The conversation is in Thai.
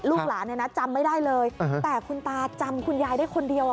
ลูกหลานเนี่ยนะจำไม่ได้เลยแต่คุณตาจำคุณยายได้คนเดียวอ่ะ